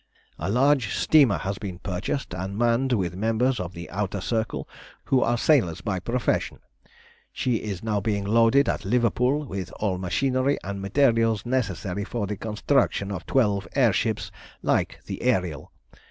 "A large steamer has been purchased and manned with members of the Outer Circle who are sailors by profession. She is now being loaded at Liverpool with all the machinery and materials necessary for the construction of twelve air ships like the Ariel.